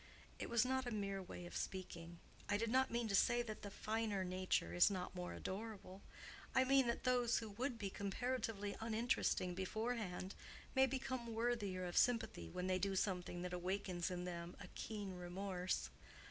It was not a mere way of speaking. I did not mean to say that the finer nature is not more adorable; I meant that those who would be comparatively uninteresting beforehand may become worthier of sympathy when they do something that awakens in them a keen remorse.